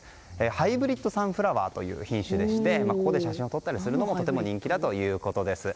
ハイブリッドサンフラワーという品種でしてここで写真を撮ったりするのもとても人気だということです。